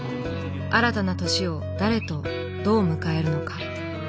新たな年を誰とどう迎えるのか。